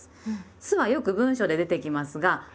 「す」はよく文章で出てきますが「です」